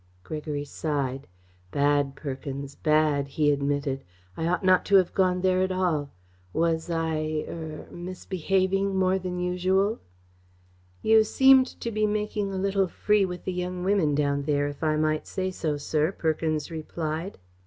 Gregory sighed. "Bad, Perkins bad!" he admitted. "I ought not to have gone there at all. Was I er misbehaving more than usual?" "You seemed to be making a little free with the young women down there, if I might say so, sir," Perkins replied.